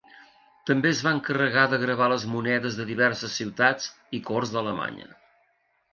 També es va encarregar de gravar les monedes de diverses ciutats i corts d'Alemanya.